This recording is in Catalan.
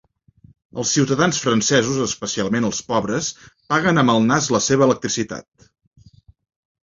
Els ciutadans francesos, especialment els pobres, paguen amb el nas la seva electricitat.